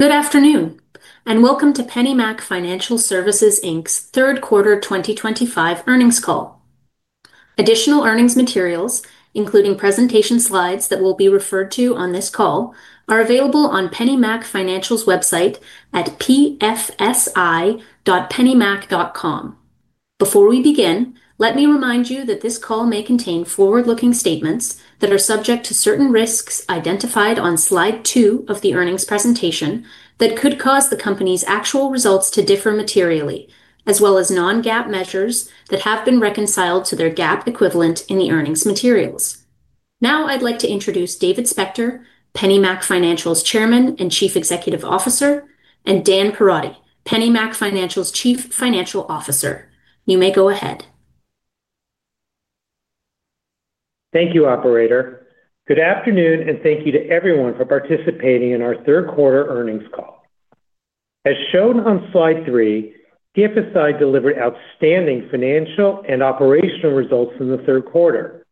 Good afternoon and welcome to PennyMac Financial Services, Inc's third quarter 2025 earnings call. Additional earnings materials, including presentation slides that will be referred to on this call, are available on PennyMac Financial's website at pfsi.pennymac.com. Before we begin, let me remind you that this call may contain forward-looking statements that are subject to certain risks identified on slide 2 of the earnings presentation that could cause the company's actual results to differ materially, as well as non-GAAP measures that have been reconciled to their GAAP equivalent in the earnings materials. Now, I'd like to introduce David Spector, PennyMac Financial's Chairman and Chief Executive Officer, and Dan Perotti, PennyMac Financial's Chief Financial Officer. You may go ahead. Thank you, Operator. Good afternoon and thank you to everyone for participating in our third quarter earnings call. As shown on slide three, PFSI delivered outstanding financial and operational results in the third quarter,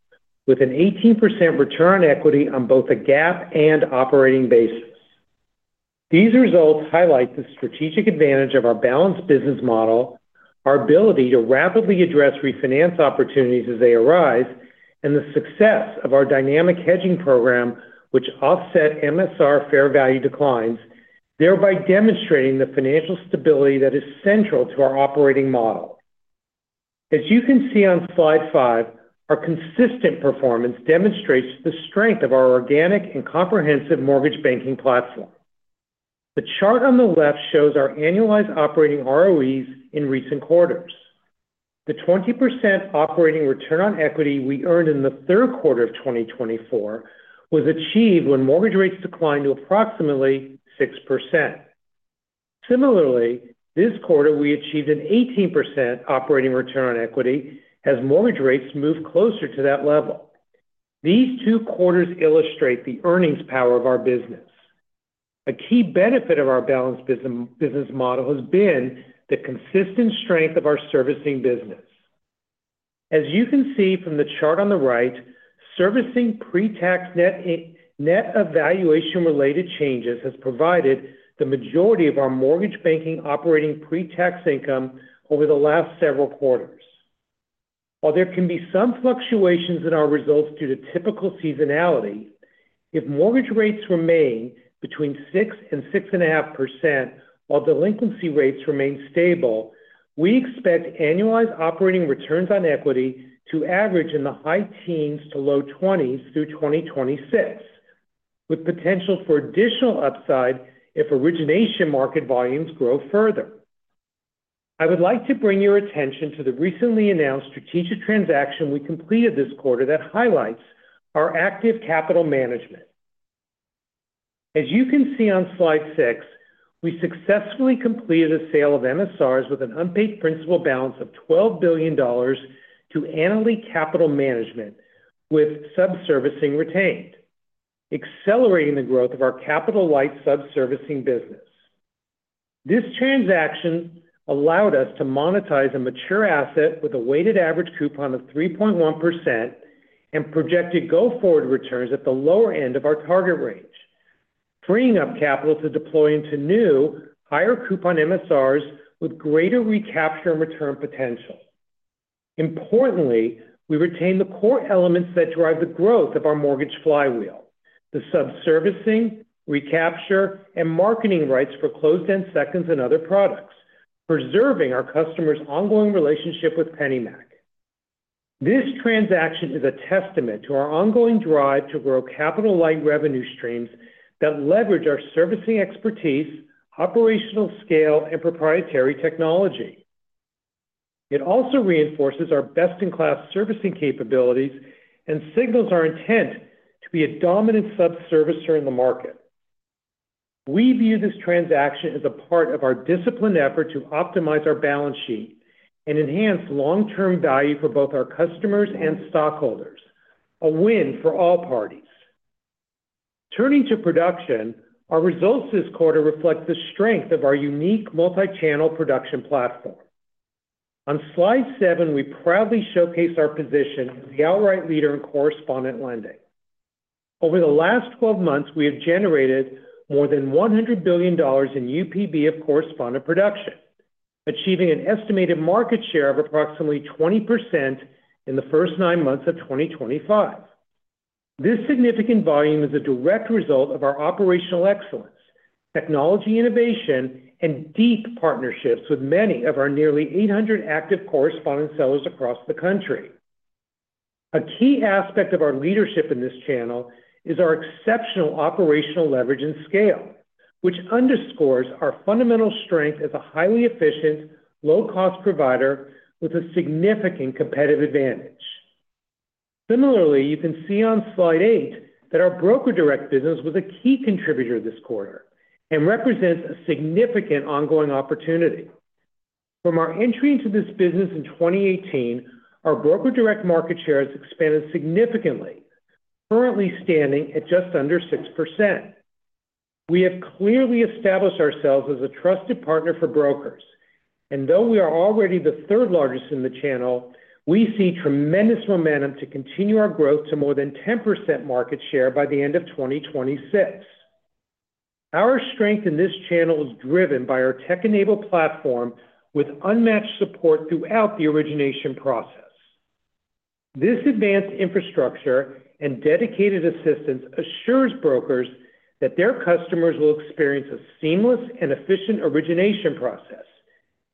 with an 18% return on equity on both a GAAP and operating basis. These results highlight the strategic advantage of our balanced business model, our ability to rapidly address refinance opportunities as they arise, and the success of our dynamic hedging program, which offset MSR fair value declines, thereby demonstrating the financial stability that is central to our operating model. As you can see on slide five, our consistent performance demonstrates the strength of our organic and comprehensive mortgage banking platform. The chart on the left shows our annualized operating ROEs in recent quarters. The 20% operating return on equity we earned in the third quarter of 2024 was achieved when mortgage rates declined to approximately 6%. Similarly, this quarter we achieved an 18% operating return on equity as mortgage rates moved closer to that level. These two quarters illustrate the earnings power of our business. A key benefit of our balanced business model has been the consistent strength of our servicing business. As you can see from the chart on the right, servicing pre-tax net evaluation-related changes have provided the majority of our mortgage banking operating pre-tax income over the last several quarters. While there can be some fluctuations in our results due to typical seasonality, if mortgage rates remain between 6% and 6.5% while delinquency rates remain stable, we expect annualized operating returns on equity to average in the high teens to low 20s through 2026, with potential for additional upside if origination market volumes grow further. I would like to bring your attention to the recently announced strategic transaction we completed this quarter that highlights our active capital management. As you can see on slide six, we successfully completed a sale of MSRs with an unpaid principal balance of $12 billion to Annaly Capital Management, with subservicing retained, accelerating the growth of our capital-light subservicing business. This transaction allowed us to monetize a mature asset with a weighted average coupon of 3.1% and projected go-forward returns at the lower end of our target range, freeing up capital to deploy into new, higher coupon MSRs with greater recapture and return potential. Importantly, we retain the core elements that drive the growth of our mortgage flywheel: the subservicing, recapture, and marketing rights for Closed End Seconds and other products, preserving our customers' ongoing relationship with PennyMac. This transaction is a testament to our ongoing drive to grow capital-light revenue streams that leverage our servicing expertise, operational scale, and proprietary technology. It also reinforces our best-in-class servicing capabilities and signals our intent to be a dominant subservicer in the market. We view this transaction as a part of our disciplined effort to optimize our balance sheet and enhance long-term value for both our customers and stockholders, a win for all parties. Turning to production, our results this quarter reflect the strength of our unique multi-channel production platform. On slide seven, we proudly showcase our position as the outright leader in correspondent lending. Over the last 12 months, we have generated more than $100 billion in UPB of correspondent production, achieving an estimated market share of approximately 20% in the first nine months of 2025. This significant volume is a direct result of our operational excellence, technology innovation, and deep partnerships with many of our nearly 800 active correspondent sellers across the country. A key aspect of our leadership in this channel is our exceptional operational leverage and scale, which underscores our fundamental strength as a highly efficient, low-cost provider with a significant competitive advantage. Similarly, you can see on slide eight that our broker direct business was a key contributor this quarter and represents a significant ongoing opportunity. From our entry into this business in 2018, our broker direct market share has expanded significantly, currently standing at just under 6%. We have clearly established ourselves as a trusted partner for brokers, and though we are already the third largest in the channel, we see tremendous momentum to continue our growth to more than 10% market share by the end of 2026. Our strength in this channel is driven by our tech-enabled platform, with unmatched support throughout the origination process. This advanced infrastructure and dedicated assistance assures brokers that their customers will experience a seamless and efficient origination process,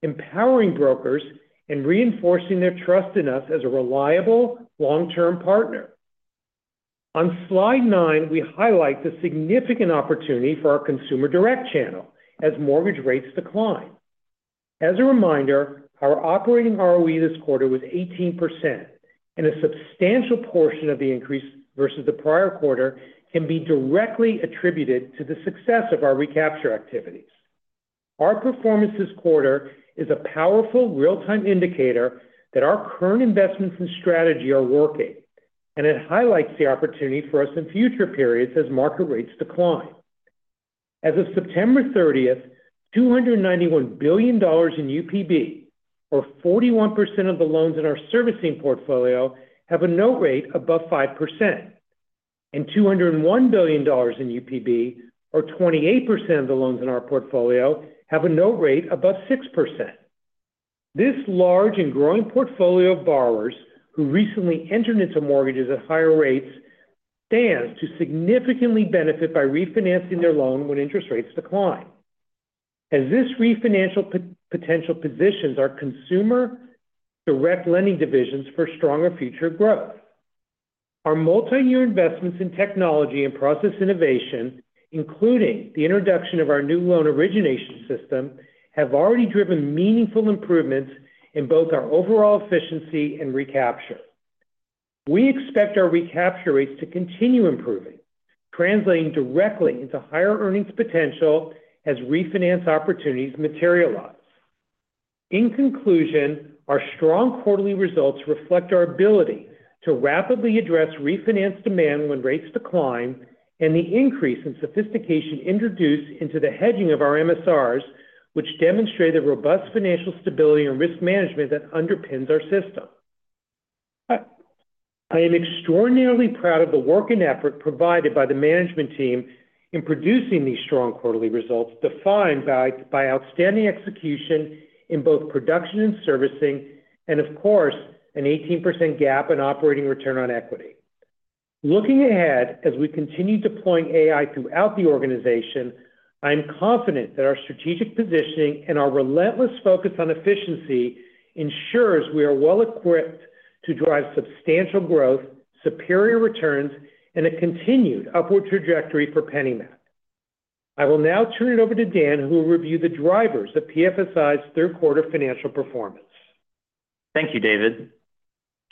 empowering brokers and reinforcing their trust in us as a reliable, long-term partner. On slide nine, we highlight the significant opportunity for our consumer direct channel as mortgage rates decline. As a reminder, our operating ROE this quarter was 18%, and a substantial portion of the increase versus the prior quarter can be directly attributed to the success of our recapture activities. Our performance this quarter is a powerful real-time indicator that our current investments and strategy are working, and it highlights the opportunity for us in future periods as market rates decline. As of September 30, $291 billion in UPB, or 41% of the loans in our servicing portfolio, have a note rate above 5%, and $201 billion in UPB, or 28% of the loans in our portfolio, have a note rate above 6%. This large and growing portfolio of borrowers who recently entered into mortgages at higher rates stands to significantly benefit by refinancing their loan when interest rates decline, as this refinance potential positions our consumer direct lending divisions for stronger future growth. Our multi-year investments in technology and process innovation, including the introduction of our new loan origination system, have already driven meaningful improvements in both our overall efficiency and recapture. We expect our recapture rates to continue improving, translating directly into higher earnings potential as refinance opportunities materialize. In conclusion, our strong quarterly results reflect our ability to rapidly address refinance demand when rates decline and the increase in sophistication introduced into the hedging of our MSRs, which demonstrate the robust financial stability and risk management that underpins our system. I am extraordinarily proud of the work and effort provided by the management team in producing these strong quarterly results defined by outstanding execution in both production and servicing, and of course, an 18% GAAP and operating return on equity. Looking ahead as we continue deploying AI throughout the organization, I am confident that our strategic positioning and our relentless focus on efficiency ensure we are well equipped to drive substantial growth, superior returns, and a continued upward trajectory for PennyMac. I will now turn it over to Dan, who will review the drivers of PFSI's third quarter financial performance. Thank you, David.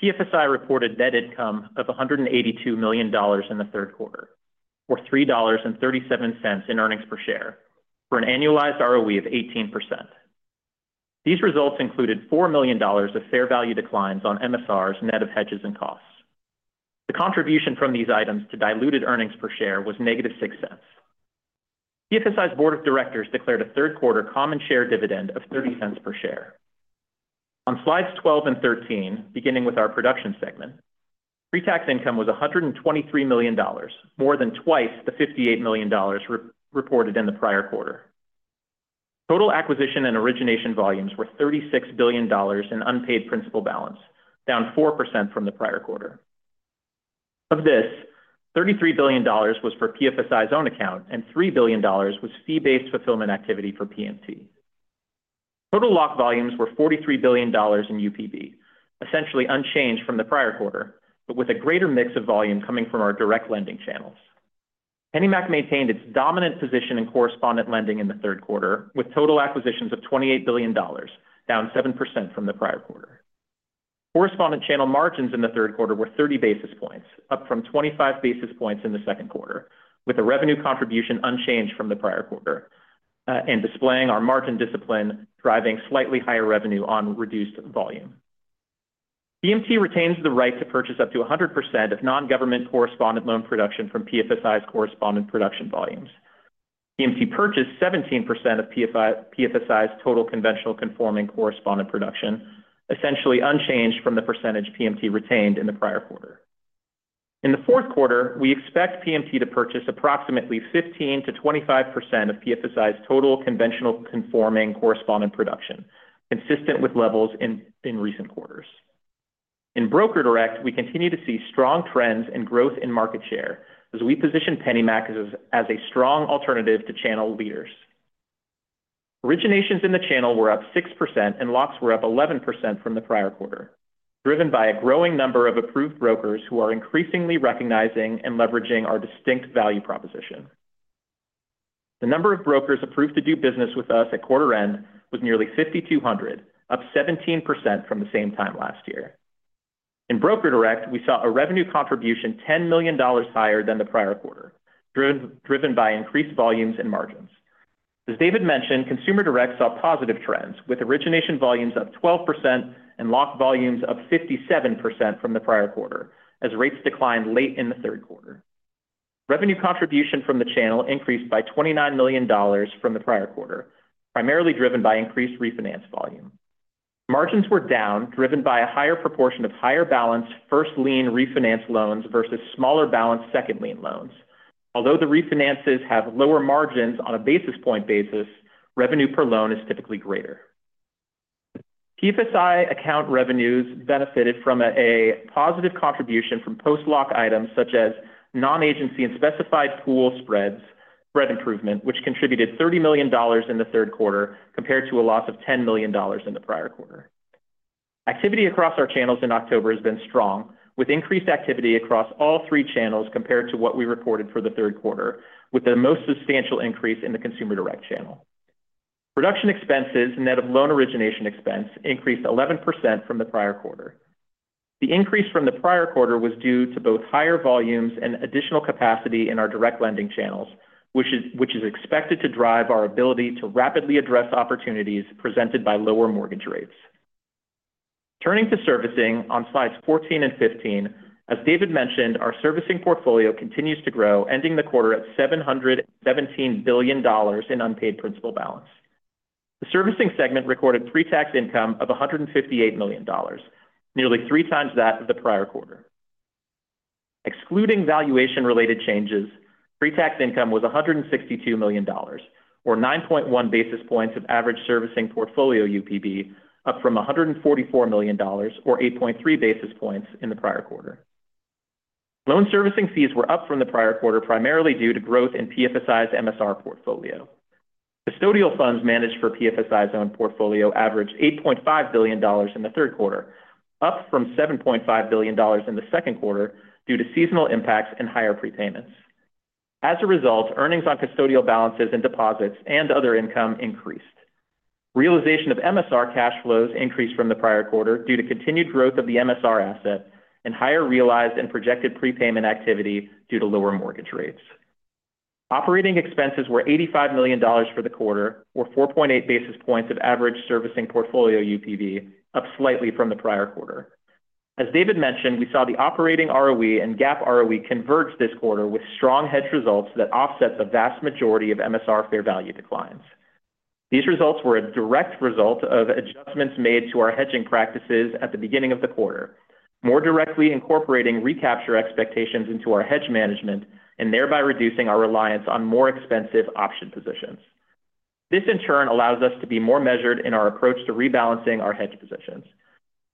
PFSI reported net income of $182 million in the third quarter, or $3.37 in earnings per share, for an annualized ROE of 18%. These results included $4 million of fair value declines on MSRs, net of hedges and costs. The contribution from these items to diluted earnings per share was -$0.06. PFSI's Board of Directors declared a third quarter common share dividend of $0.30 per share. On slides 12 and 13, beginning with our production segment, pre-tax income was $123 million, more than twice the $58 million reported in the prior quarter. Total acquisition and origination volumes were $36 billion in unpaid principal balance, down 4% from the prior quarter. Of this, $33 billion was for PFSI's own account, and $3 billion was fee-based fulfillment activity for P&T. Total lock volumes were $43 billion in UPB, essentially unchanged from the prior quarter, but with a greater mix of volume coming from our direct lending channels. PennyMac maintained its dominant position in correspondent lending in the third quarter, with total acquisitions of $28 billion, down 7% from the prior quarter. Correspondent channel margins in the third quarter were 30 basis points, up from 25 basis points in the second quarter, with a revenue contribution unchanged from the prior quarter and displaying our margin discipline driving slightly higher revenue on reduced volume. P&T retains the right to purchase up to 100% of non-government correspondent loan production from PFSI's correspondent production volumes. P&T purchased 17% of PFSI's total conventional conforming correspondent production, essentially unchanged from the percentage P&T retained in the prior quarter. In the fourth quarter, we expect P&T to purchase approximately 15%-25% of PFSI's total conventional conforming correspondent production, consistent with levels in recent quarters. In broker direct, we continue to see strong trends and growth in market share as we position PennyMac as a strong alternative to channel leaders. Originations in the channel were up 6%, and locks were up 11% from the prior quarter, driven by a growing number of approved brokers who are increasingly recognizing and leveraging our distinct value proposition. The number of brokers approved to do business with us at quarter end was nearly 5,200, up 17% from the same time last year. In broker direct, we saw a revenue contribution $10 million higher than the prior quarter, driven by increased volumes and margins. As David mentioned, consumer direct saw positive trends, with origination volumes up 12% and lock volumes up 57% from the prior quarter as rates declined late in the third quarter. Revenue contribution from the channel increased by $29 million from the prior quarter, primarily driven by increased refinance volume. Margins were down, driven by a higher proportion of higher balanced first lien refinance loans versus smaller balanced second lien loans. Although the refinances have lower margins on a basis point basis, revenue per loan is typically greater. PFSI account revenues benefited from a positive contribution from post-lock items such as non-agency and specified pool spread improvement, which contributed $30 million in the third quarter compared to a loss of $10 million in the prior quarter. Activity across our channels in October has been strong, with increased activity across all three channels compared to what we reported for the third quarter, with the most substantial increase in the consumer direct channel. Production expenses and net of loan origination expense increased 11% from the prior quarter. The increase from the prior quarter was due to both higher volumes and additional capacity in our direct lending channels, which is expected to drive our ability to rapidly address opportunities presented by lower mortgage rates. Turning to servicing on slides 14 and 15, as David mentioned, our servicing portfolio continues to grow, ending the quarter at $717 billion in unpaid principal balance. The servicing segment recorded pre-tax income of $158 million, nearly three times that of the prior quarter. Excluding valuation-related changes, pre-tax income was $162 million, or 9.1 basis points of average servicing portfolio UPB, up from $144 million, or 8.3 basis points in the prior quarter. Loan servicing fees were up from the prior quarter, primarily due to growth in PFSI's MSR portfolio. Custodial funds managed for PFSI's own portfolio averaged $8.5 billion in the third quarter, up from $7.5 billion in the second quarter due to seasonal impacts and higher prepayments. As a result, earnings on custodial balances and deposits and other income increased. Realization of MSR cash flows increased from the prior quarter due to continued growth of the MSR asset and higher realized and projected prepayment activity due to lower mortgage rates. Operating expenses were $85 million for the quarter, or 4.8 basis points of average servicing portfolio UPB, up slightly from the prior quarter. As David mentioned, we saw the operating ROE and GAAP ROE converge this quarter with strong hedge results that offset the vast majority of MSR fair value declines. These results were a direct result of adjustments made to our hedging practices at the beginning of the quarter, more directly incorporating recapture expectations into our hedge management and thereby reducing our reliance on more expensive option positions. This, in turn, allows us to be more measured in our approach to rebalancing our hedge positions.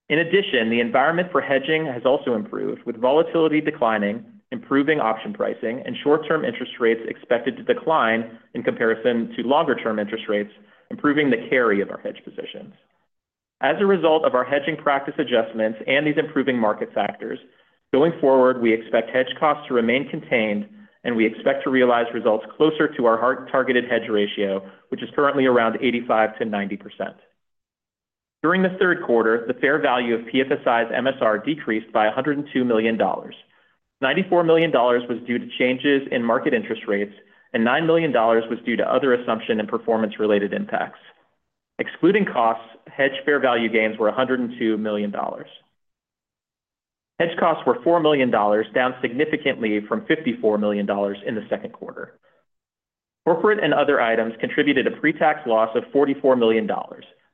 In addition, the environment for hedging has also improved, with volatility declining, improving option pricing, and short-term interest rates expected to decline in comparison to longer-term interest rates, improving the carry of our hedge positions. As a result of our hedging practice adjustments and these improving market factors, going forward, we expect hedge costs to remain contained, and we expect to realize results closer to our targeted hedge ratio, which is currently around 85%-90%. During the third quarter, the fair value of PFSI's MSR decreased by $102 million. $94 million was due to changes in market interest rates, and $9 million was due to other assumption and performance-related impacts. Excluding costs, hedge fair value gains were $102 million. Hedge costs were $4 million, down significantly from $54 million in the second quarter. Corporate and other items contributed a pre-tax loss of $44 million,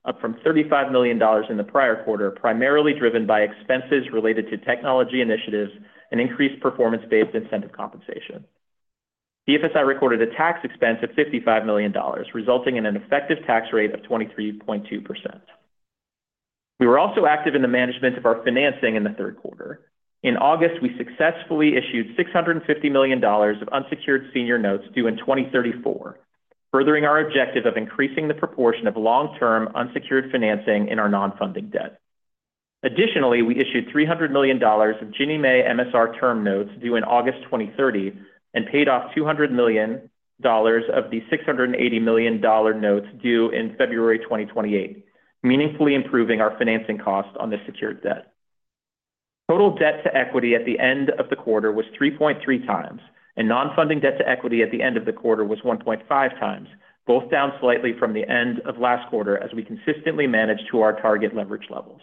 up from $35 million in the prior quarter, primarily driven by expenses related to technology initiatives and increased performance-based incentive compensation. PFSI recorded a tax expense of $55 million, resulting in an effective tax rate of 23.2%. We were also active in the management of our financing in the third quarter. In August, we successfully issued $650 million of unsecured senior notes due in 2034, furthering our objective of increasing the proportion of long-term unsecured financing in our non-funding debt. Additionally, we issued $300 million of Ginnie Mae MSR term notes due in August 2030 and paid off $200 million of the $680 million notes due in February 2028, meaningfully improving our financing cost on the secured debt. Total debt to equity at the end of the quarter was 3.3x, and non-funding debt to equity at the end of the quarter was 1.5x, both down slightly from the end of last quarter as we consistently managed to our target leverage levels.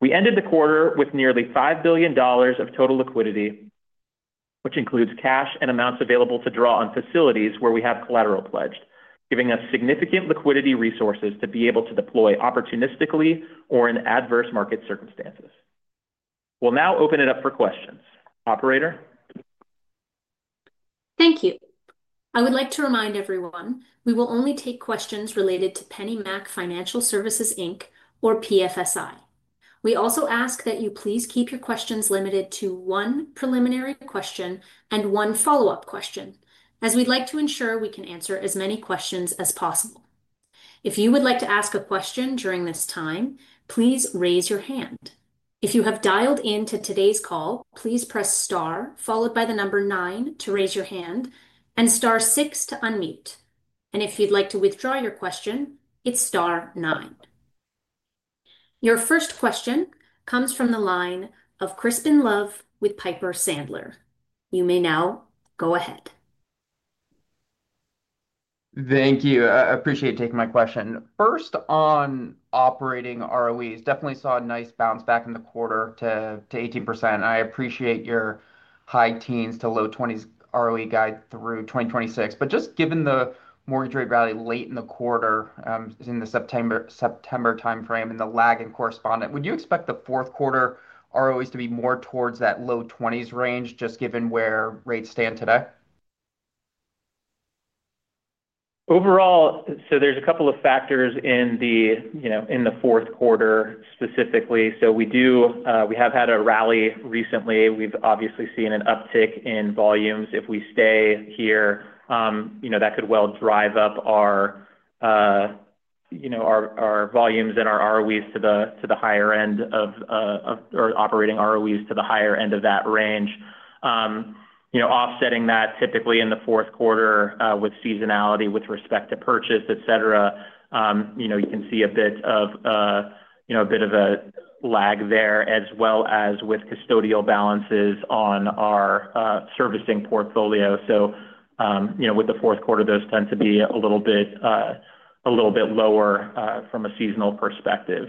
We ended the quarter with nearly $5 billion of total liquidity, which includes cash and amounts available to draw on facilities where we have collateral pledged, giving us significant liquidity resources to be able to deploy opportunistically or in adverse market circumstances. We'll now open it up for questions. Operator? Thank you. I would like to remind everyone we will only take questions related to PennyMac Financial Services, Inc or PFSI. We also ask that you please keep your questions limited to one preliminary question and one follow-up question, as we'd like to ensure we can answer as many questions as possible. If you would like to ask a question during this time, please raise your hand. If you have dialed into today's call, please press star, followed by the number nine to raise your hand, and star six to unmute. If you'd like to withdraw your question, it's star nine. Your first question comes from the line of Crispin Love with Piper Sandler. You may now go ahead. Thank you. I appreciate you taking my question. First, on operating ROEs, definitely saw a nice bounce back in the quarter to 18%. I appreciate your high teens to low 20s ROE guide through 2026. Just given the mortgage rate rally late in the quarter, in the September timeframe and the lag in correspondent, would you expect the fourth quarter ROEs to be more towards that low 20s range, just given where rates stand today? Overall, there are a couple of factors in the fourth quarter specifically. We have had a rally recently. We've obviously seen an uptick in volumes. If we stay here, that could well drive up our volumes and our ROEs to the higher end of, or operating ROEs to the higher end of that range. Offsetting that, typically in the fourth quarter with seasonality with respect to purchase, you can see a bit of a lag there, as well as with custodial balances on our servicing portfolio. With the fourth quarter, those tend to be a little bit lower from a seasonal perspective.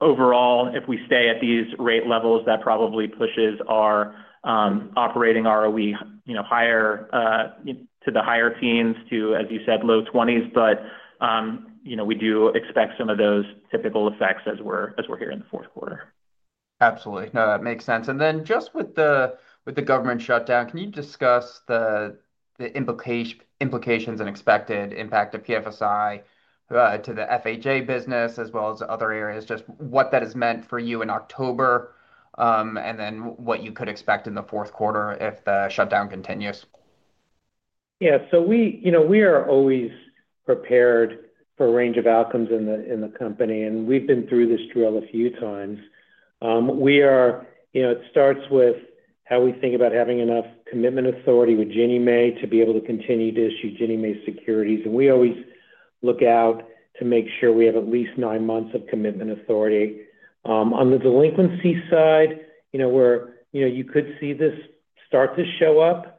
Overall, if we stay at these rate levels, that probably pushes our operating ROE higher to the higher teens to, as you said, low 20s. We do expect some of those typical effects as we're here in the fourth quarter. Absolutely. No, that makes sense. Then just with the government shutdown, can you discuss the implications and expected impact of PFSI to the FHA business, as well as other areas, just what that has meant for you in October, and then what you could expect in the fourth quarter if the shutdown continues? Yeah. We are always prepared for a range of outcomes in the company, and we've been through this drill a few times. It starts with how we think about having enough commitment authority with Ginnie Mae to be able to continue to issue Ginnie Mae securities. We always look out to make sure we have at least nine months of commitment authority. On the delinquency side, you could see this start to show up.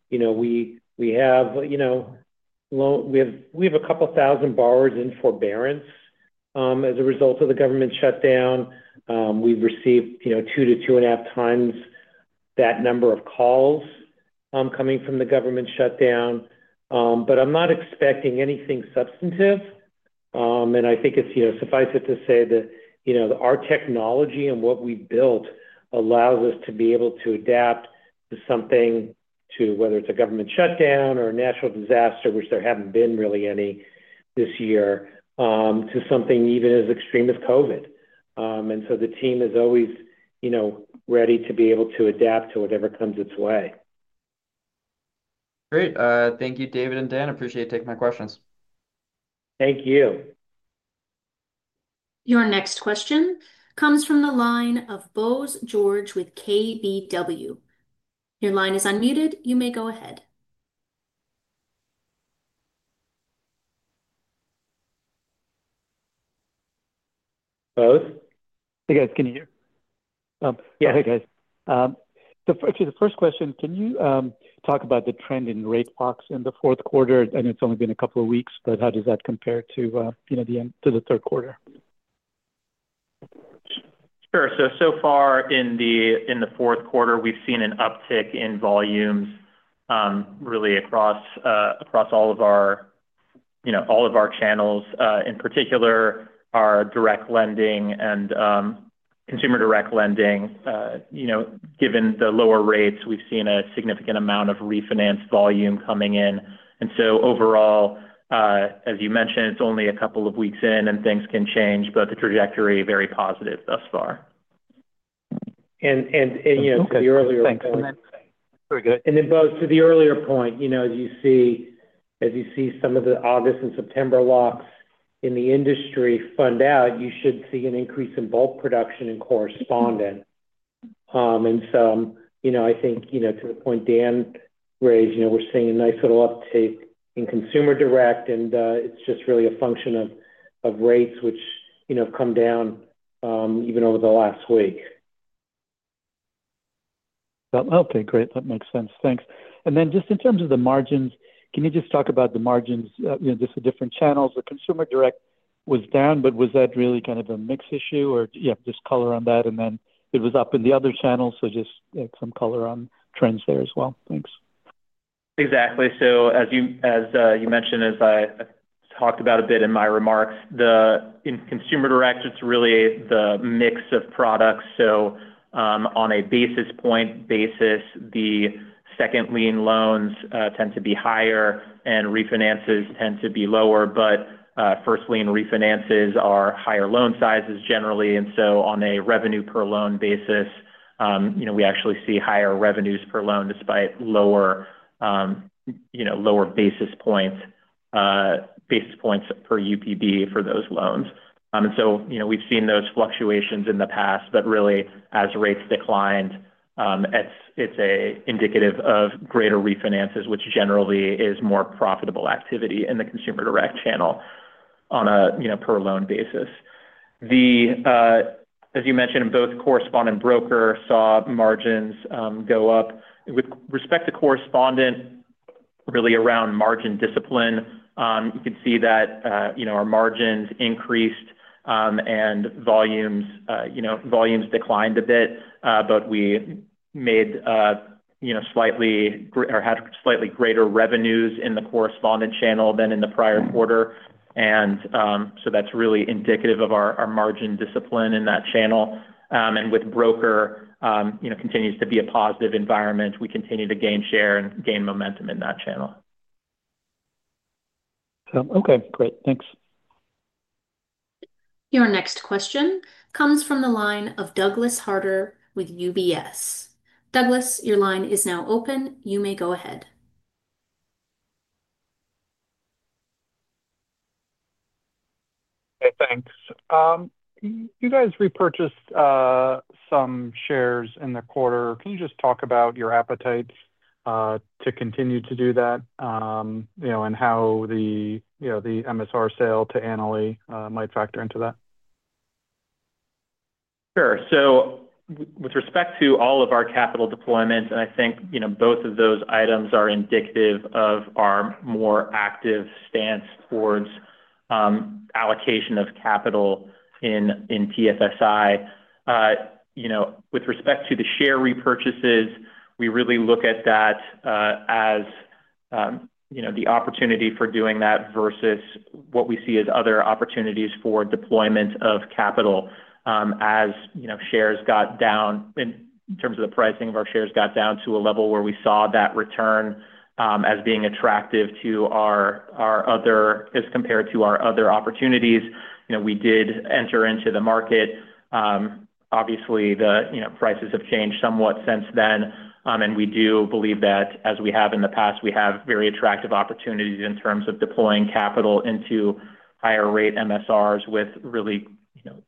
We have a couple thousand borrowers in forbearance as a result of the government shutdown. We've received two to two and a half times that number of calls coming from the government shutdown. I'm not expecting anything substantive. I think it's suffice it to say that our technology and what we've built allows us to be able to adapt to something, whether it's a government shutdown or a natural disaster, which there haven't been really any this year, to something even as extreme as COVID. The team is always ready to be able to adapt to whatever comes its way. Great. Thank you, David and Dan. I appreciate you taking my questions. Thank you. Your next question comes from the line of Bose George with KBW. Your line is unmuted. You may go ahead. Bose? Hey, guys. Can you hear? Yeah, hey, guys. The first question, can you talk about the trend in rate hawks in the fourth quarter? I know it's only been a couple of weeks, but how does that compare to the end to the third quarter? Sure. So far in the fourth quarter, we've seen an uptick in volumes, really across all of our channels. In particular, our direct lending and consumer direct lending, given the lower rates, we've seen a significant amount of refinanced volume coming in. Overall, as you mentioned, it's only a couple of weeks in and things can change, but the trajectory is very positive thus far. You know, to the earlier point. Thanks, Dan. Very good. To the earlier point, as you see some of the August and September locks in the industry fund out, you should see an increase in bulk production in correspondent. I think, to the point Dan raised, we're seeing a nice little uptick in consumer direct, and it's just really a function of rates, which have come down, even over the last week. Great, that makes sense. Thanks. In terms of the margins, can you talk about the margins, you know, just the different channels? The consumer direct was down. Was that really kind of a mix issue, or, yeah, just color on that? It was up in the other channel, so just some color on trends there as well. Thanks. Exactly. As you mentioned, as I talked about a bit in my remarks, in consumer direct, it's really the mix of products. On a basis point basis, the second lien loans tend to be higher and refinances tend to be lower, but first lien refinances are higher loan sizes generally. On a revenue per loan basis, we actually see higher revenues per loan despite lower basis points per UPB for those loans. We've seen those fluctuations in the past, but really, as rates declined, it's indicative of greater refinances, which generally is more profitable activity in the consumer direct channel on a per loan basis. As you mentioned, in both correspondent and broker direct channel, margins went up. With respect to correspondent, it's really around margin discipline. You can see that our margins increased and volumes declined a bit, but we had slightly greater revenues in the correspondent channel than in the prior quarter. That's really indicative of our margin discipline in that channel. With broker direct channel, it continues to be a positive environment. We continue to gain share and gain momentum in that channel. Okay, great. Thanks. Your next question comes from the line of Douglas Harter with UBS. Douglas, your line is now open. You may go ahead. Okay. Thanks. You guys repurchased some shares in the quarter. Can you just talk about your appetite to continue to do that, you know, and how the, you know, the MSR sale to Annaly might factor into that? Sure. With respect to all of our capital deployments, both of those items are indicative of our more active stance towards allocation of capital in PFSI. With respect to the share repurchases, we really look at that as the opportunity for doing that versus what we see as other opportunities for deployment of capital. As shares got down, in terms of the pricing of our shares got down to a level where we saw that return as being attractive as compared to our other opportunities, we did enter into the market. Obviously, prices have changed somewhat since then. We do believe that, as we have in the past, we have very attractive opportunities in terms of deploying capital into higher rate MSRs with really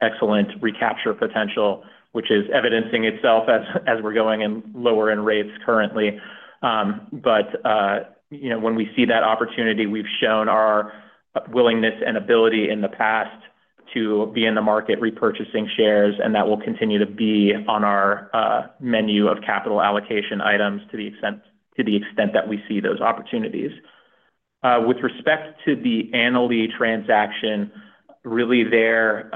excellent recapture potential, which is evidencing itself as we're going in lower in rates currently. When we see that opportunity, we've shown our willingness and ability in the past to be in the market repurchasing shares, and that will continue to be on our menu of capital allocation items to the extent that we see those opportunities. With respect to the Annaly transaction, really there,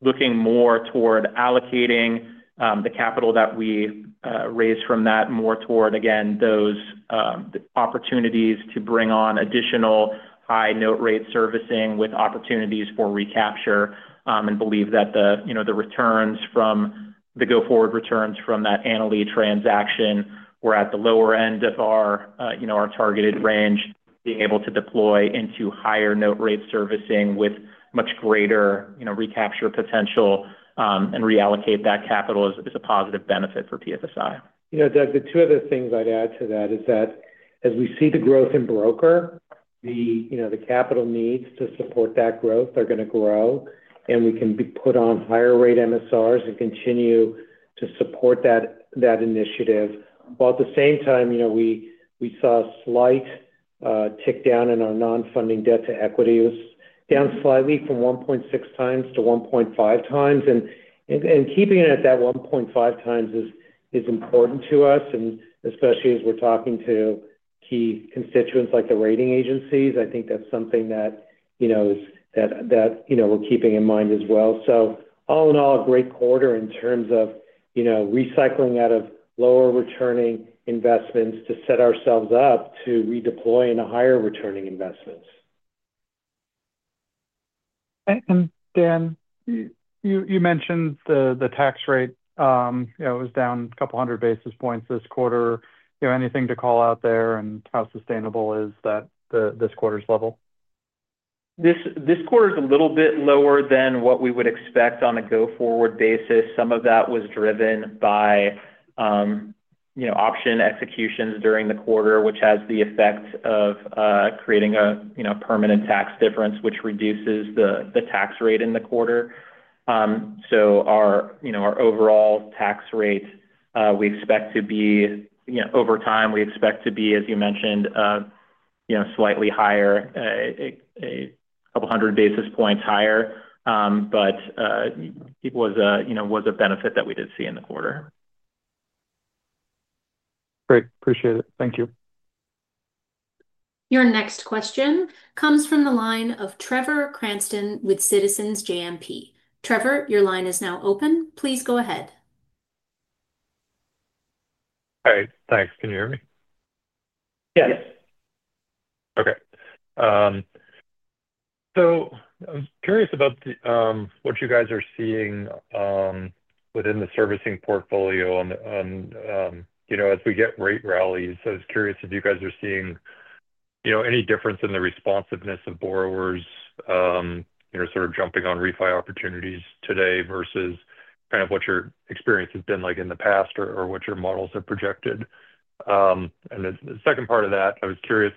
looking more toward allocating the capital that we raised from that more toward, again, the opportunities to bring on additional high note rate servicing with opportunities for recapture, and believe that the returns from the go-forward returns from that Annaly transaction were at the lower end of our targeted range, being able to deploy into higher note rate servicing with much greater recapture potential, and reallocate that capital as a positive benefit for PFSI. You know, Doug, the two other things I'd add to that is that as we see the growth in broker, the capital needs to support that growth are going to grow, and we can put on higher rate MSRs and continue to support that initiative. At the same time, we saw a slight tick down in our non-funding debt to equity. It was down slightly from 1.6x to 1.5x. Keeping it at that 1.5x is important to us, and especially as we're talking to key constituents like the rating agencies, I think that's something that we're keeping in mind as well. All in all, a great quarter in terms of recycling out of lower returning investments to set ourselves up to redeploy into higher returning investments. Dan, you mentioned the tax rate, you know, it was down a couple hundred basis points this quarter. Anything to call out there and how sustainable is that this quarter's level? This quarter is a little bit lower than what we would expect on a go-forward basis. Some of that was driven by option executions during the quarter, which has the effect of creating a permanent tax difference, which reduces the tax rate in the quarter. Our overall tax rate, we expect to be, over time, as you mentioned, slightly higher, a couple hundred basis points higher. It was a benefit that we did see in the quarter. Great. Appreciate it. Thank you. Your next question comes from the line of Trevor Cranston with Citizens JMP. Trevor, your line is now open. Please go ahead. All right. Thanks. Can you hear me? Yes. Okay. I'm curious about what you guys are seeing within the servicing portfolio as we get rate rallies. I was curious if you guys are seeing any difference in the responsiveness of borrowers, sort of jumping on refi opportunities today versus what your experience has been like in the past or what your models have projected. The second part of that, I was curious,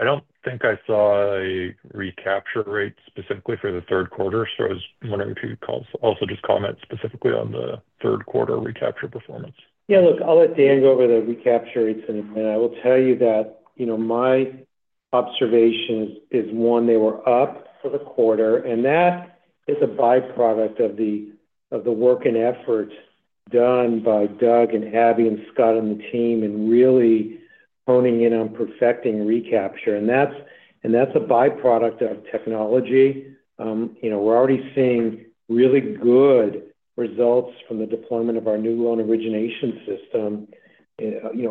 I don't think I saw a recapture rate specifically for the third quarter. I was wondering if you could also just comment specifically on the third quarter recapture performance. Yeah, look, I'll let Dan go over the recapture rates. I will tell you that my observation is, one, they were up for the quarter, and that is a byproduct of the work and effort done by Doug and Abby and Scott and the team in really honing in on perfecting recapture. That's a byproduct of technology. We're already seeing really good results from the deployment of our new loan origination system,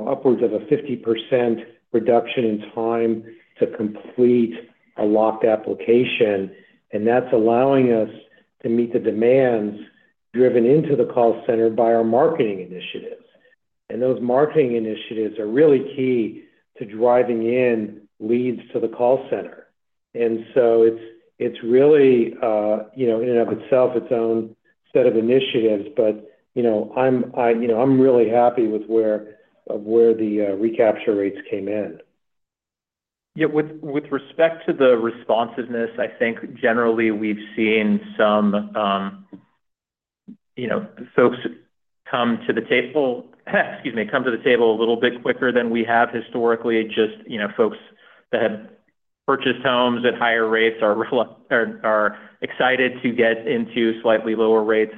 upwards of a 50% reduction in time to complete a locked application. That's allowing us to meet the demands driven into the call center by our marketing initiatives. Those marketing initiatives are really key to driving in leads to the call center. It's really, in and of itself, its own set of initiatives. I'm really happy with where the recapture rates came in. Yeah, with respect to the responsiveness, I think generally we've seen some folks come to the table a little bit quicker than we have historically. Just folks that have purchased homes at higher rates are excited to get into slightly lower rates.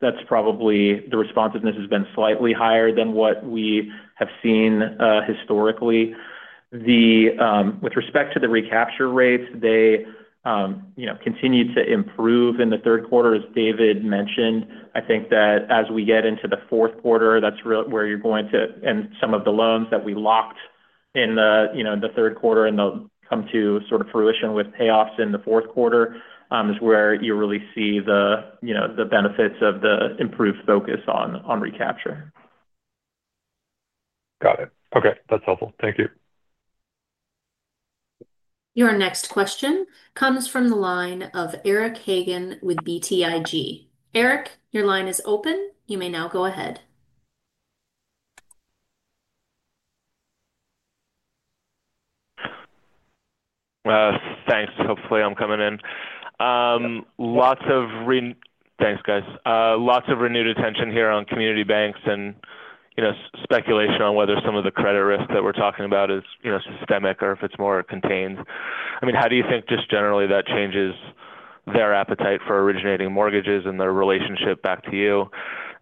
That's probably the responsiveness has been slightly higher than what we have seen historically. With respect to the recapture rates, they continue to improve in the third quarter, as David mentioned. I think that as we get into the fourth quarter, that's really where you're going to, and some of the loans that we locked in the third quarter and they'll come to sort of fruition with payoffs in the fourth quarter is where you really see the benefits of the improved focus on recapture. Got it. Okay, that's helpful. Thank you. Your next question comes from the line of Eric Hagen with BTIG. Eric, your line is open. You may now go ahead. Thanks. Hopefully, I'm coming in. Thanks, guys. Lots of renewed attention here on community banks and speculation on whether some of the credit risk that we're talking about is systemic or if it's more contained. How do you think just generally that changes their appetite for originating mortgages and their relationship back to you?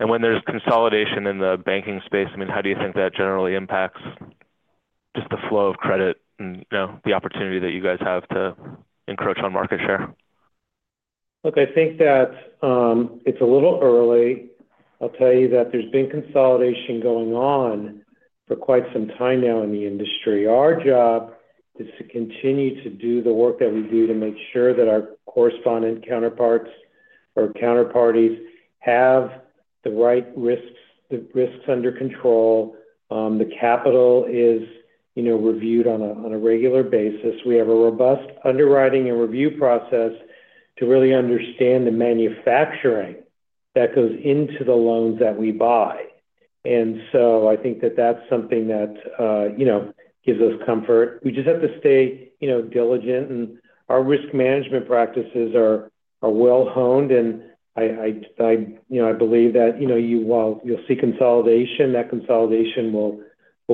When there's consolidation in the banking space, how do you think that generally impacts the flow of credit and the opportunity that you guys have to encroach on market share? I think that it's a little early. I'll tell you that there's been consolidation going on for quite some time now in the industry. Our job is to continue to do the work that we do to make sure that our correspondent counterparties have the right risks, the risks under control. The capital is reviewed on a regular basis. We have a robust underwriting and review process to really understand the manufacturing that goes into the loans that we buy. I think that that's something that gives us comfort. We just have to stay diligent, and our risk management practices are well honed. I believe that while you'll see consolidation, that consolidation will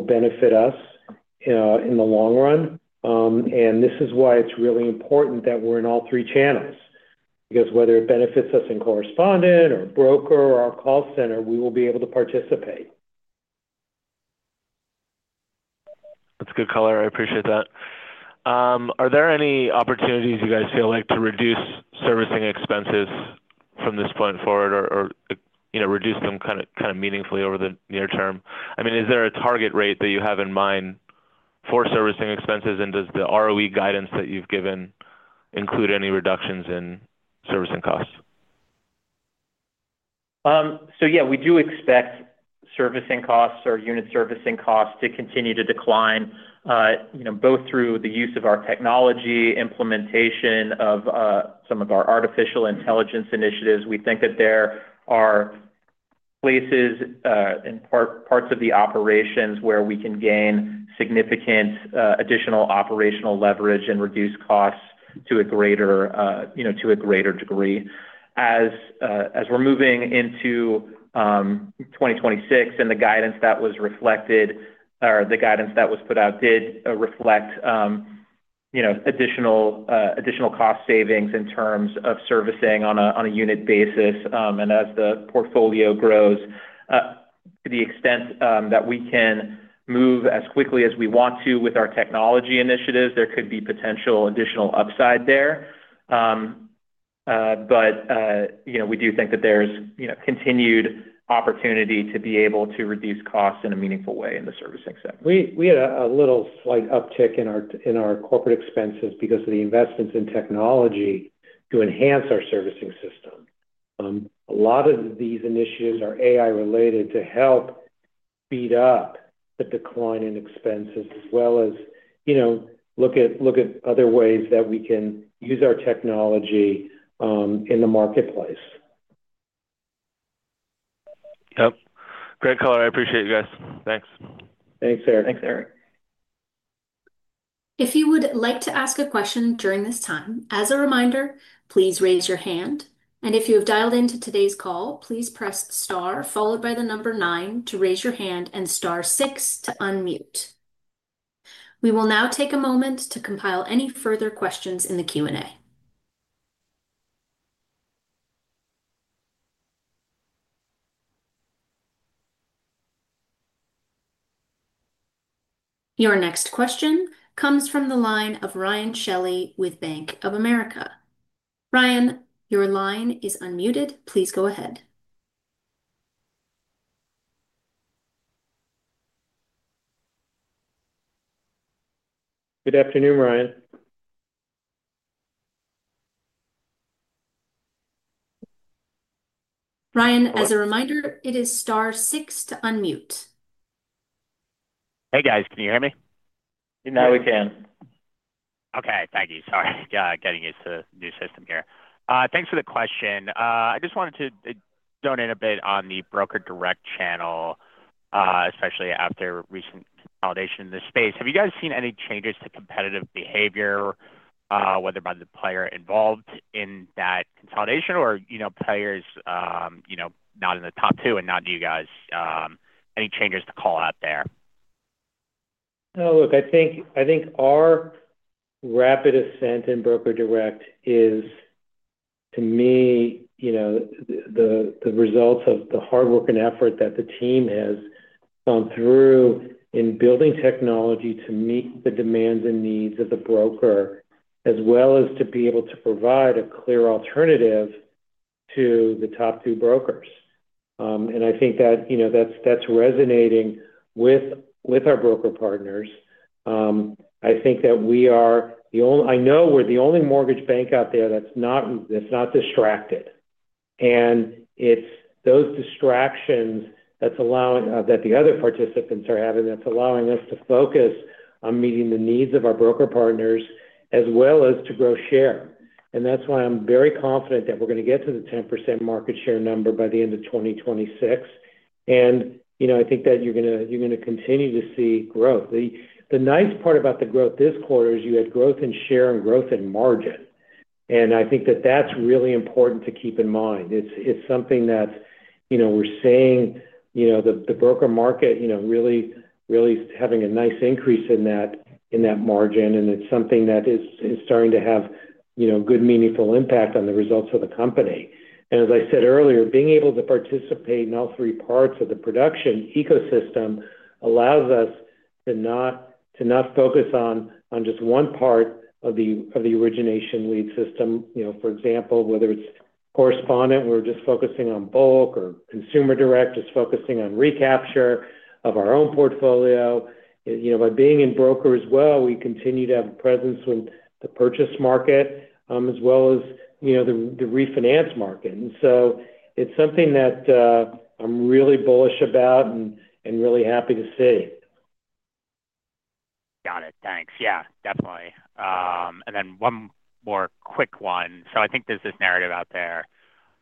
benefit us in the long run. This is why it's really important that we're in all three channels, because whether it benefits us in correspondent or broker or our call center, we will be able to participate. That's a good color. I appreciate that. Are there any opportunities you guys feel like to reduce servicing expenses from this point forward, or reduce them kind of meaningfully over the near term? I mean, is there a target rate that you have in mind for servicing expenses, and does the ROE guidance that you've given include any reductions in servicing costs? We do expect servicing costs or unit servicing costs to continue to decline, both through the use of our technology and implementation of some of our artificial intelligence initiatives. We think that there are places and parts of the operations where we can gain significant additional operational leverage and reduce costs to a greater degree. As we're moving into 2026, the guidance that was reflected or the guidance that was put out did reflect additional cost savings in terms of servicing on a unit basis. As the portfolio grows, to the extent that we can move as quickly as we want to with our technology initiatives, there could be potential additional upside there. We do think that there's continued opportunity to be able to reduce costs in a meaningful way in the servicing sector. We had a slight uptick in our corporate expenses because of the investments in technology to enhance our servicing system. A lot of these initiatives are AI-related to help beat up the decline in expenses as well as, you know, look at other ways that we can use our technology in the marketplace. Great color. I appreciate it, guys. Thanks. Thanks, Eric. Thanks, Eric. If you would like to ask a question during this time, as a reminder, please raise your hand. If you have dialed into today's call, please press star followed by the number nine to raise your hand and star six to unmute. We will now take a moment to compile any further questions in the Q&A. Your next question comes from the line of Ryan Shelley with Bank of America. Ryan, your line is unmuted. Please go ahead. Good afternoon, Ryan. Ryan, as a reminder, it is star six to unmute. Hey, guys. Can you hear me? Now we can. Okay. Thank you. Sorry, getting used to the new system here. Thanks for the question. I just wanted to zone in a bit on the broker direct channel, especially after recent consolidation in this space. Have you guys seen any changes to competitive behavior, whether by the player involved in that consolidation or, you know, players not in the top two and not you guys? Any changes to call out there? No, look, I think our rapid ascent in broker direct is, to me, the result of the hard work and effort that the team has gone through in building technology to meet the demands and needs of the broker, as well as to be able to provide a clear alternative to the top two brokers. I think that that's resonating with our broker partners. I think that we are the only, I know we're the only mortgage bank out there that's not distracted. It's those distractions that the other participants are having that's allowing us to focus on meeting the needs of our broker partners, as well as to grow share. That's why I'm very confident that we're going to get to the 10% market share number by the end of 2026. I think that you're going to continue to see growth. The nice part about the growth this quarter is you had growth in share and growth in margin. I think that that's really important to keep in mind. It's something that we're seeing, the broker market really having a nice increase in that margin. It's something that is starting to have good meaningful impact on the results of the company. As I said earlier, being able to participate in all three parts of the production ecosystem allows us to not focus on just one part of the origination lead system. For example, whether it's correspondent, we're just focusing on bulk, or consumer direct is focusing on recapture of our own portfolio. By being in broker as well, we continue to have a presence in the purchase market, as well as the refinance market. It's something that I'm really bullish about and really happy to see. Got it. Thanks. Yeah, definitely. One more quick one. I think there's this narrative out there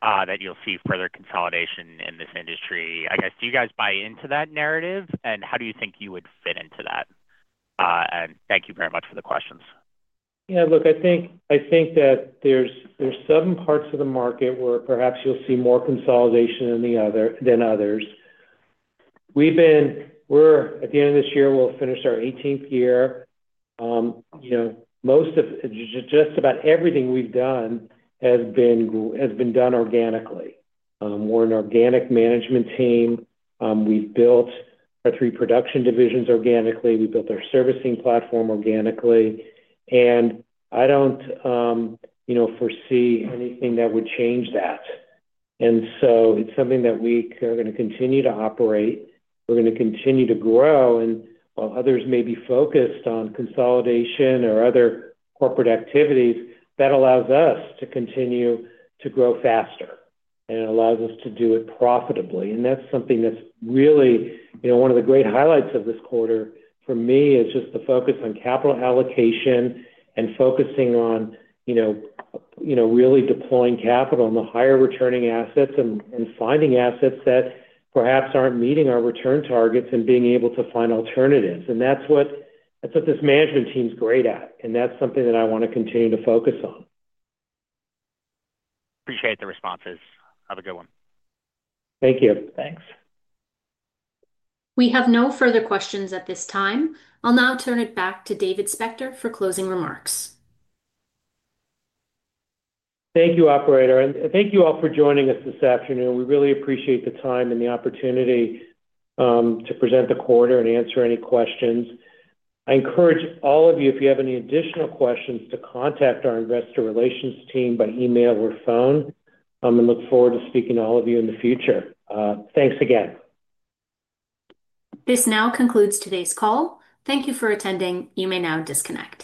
that you'll see further consolidation in this industry. Do you guys buy into that narrative, and how do you think you would fit into that? Thank you very much for the questions. Yeah, look, I think that there's certain parts of the market where perhaps you'll see more consolidation than others. We're at the end of this year, we'll finish our 18th year. Most of just about everything we've done has been done organically. We're an organic management team. We've built our three production divisions organically. We built our servicing platform organically. I don't foresee anything that would change that. It's something that we are going to continue to operate. We're going to continue to grow. While others may be focused on consolidation or other corporate activities, that allows us to continue to grow faster, and it allows us to do it profitably. That's something that's really one of the great highlights of this quarter for me, just the focus on capital allocation and focusing on really deploying capital in the higher returning assets and finding assets that perhaps aren't meeting our return targets and being able to find alternatives. That's what this management team is great at. That's something that I want to continue to focus on. Appreciate the responses. Have a good one. Thank you. Thanks. We have no further questions at this time. I'll now turn it back to David Spector for closing remarks. Thank you, Operator. Thank you all for joining us this afternoon. We really appreciate the time and the opportunity to present the quarter and answer any questions. I encourage all of you, if you have any additional questions, to contact our investor relations team by email or phone. I look forward to speaking to all of you in the future. Thanks again. This now concludes today's call. Thank you for attending. You may now disconnect.